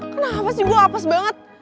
kenapa sih gue hapus banget